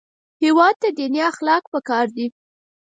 هېواد ته دیني اخلاق پکار دي